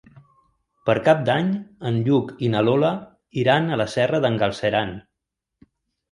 Per Cap d'Any en Lluc i na Lola iran a la Serra d'en Galceran.